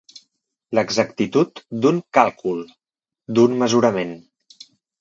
L'exactitud d'un càlcul, d'un mesurament.